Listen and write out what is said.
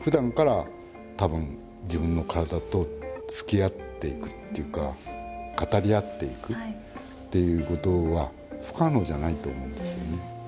ふだんからたぶん自分の体とつきあっていくっていうか語り合っていくっていうことは不可能じゃないと思うんですよね。